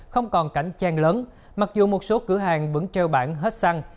không còn cảnh tràn lớn mặc dù một số cửa hàng vẫn treo bản hết xăng